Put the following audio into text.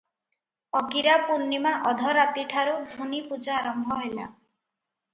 ଅଗିରାପୂର୍ଣ୍ଣିମା ଅଧରାତିଠାରୁ ଧୂନି ପୂଜା ଆରମ୍ଭ ହେଲା ।